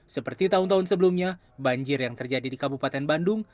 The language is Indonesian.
seperti tahun tahun sebelumnya banjir yang terjadi di kabupaten bandung